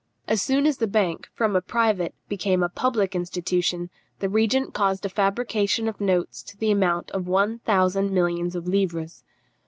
As soon as the bank, from a private, became a public institution, the regent caused a fabrication of notes to the amount of one thousand millions of livres.